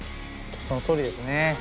そのとおりですね。